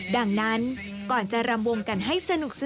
ดังนั้นก่อนจะรำวงกันให้สนุก